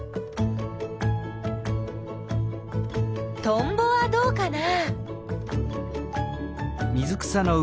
トンボはどうかな？